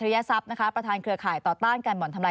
และประธานเครือข่ายงานต่อต้านการ